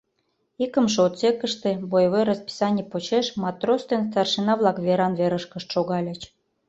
Икымше отсекыште боевой расписаний почеш матрос ден старшина-влак веран-верышкышт шогальыч.